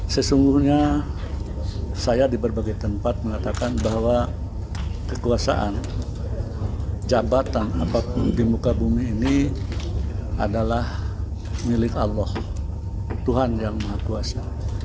sesungguhnya saya di berbagai tempat mengatakan bahwa kekuasaan jabatan apapun di muka bumi ini adalah milik allah tuhan yang maha kuasa